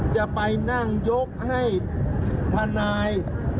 จะไปนั่งยกให้ทนาย